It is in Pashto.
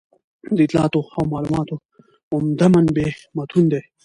د اطلاعاتو او معلوماتو عمده منبع متون دي.